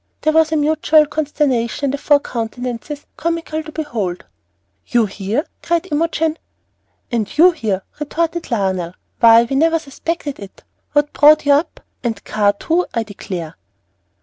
There was a mutual consternation in the four countenances comical to behold. "You here!" cried Imogen. "And you here!" retorted Lionel. "Why, we never suspected it. What brought you up? and Carr, too, I declare!"